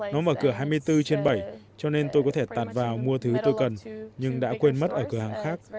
nó mở cửa hai mươi bốn trên bảy cho nên tôi có thể tạt vào mua thứ tôi cần nhưng đã quên mất ở cửa hàng khác